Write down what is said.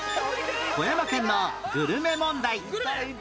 富山県のグルメ問題